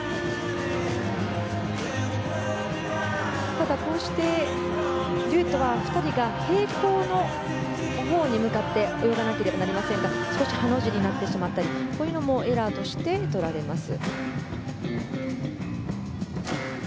ただ、デュエットは２人が平行のほうに向かって泳がなければなりませんが少しハの字になってしまうとこういうのもエラーとして取られます。